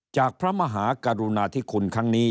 จากพระมหากรุณาที่คุณครั้งนี้